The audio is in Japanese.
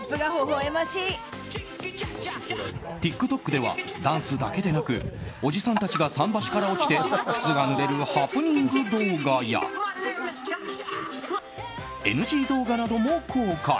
ＴｉｋＴｏｋではダンスだけでなくおじさんたちが桟橋から落ちて靴がぬれるハプニング動画やＮＧ動画なども公開。